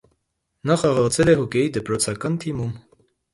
Նա խաղացել է հոկեյի դպրոցական թիմում։